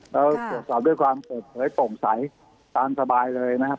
ตรวจสอบด้วยความสุดให้ตรงใสตามสบายเลยนะครับ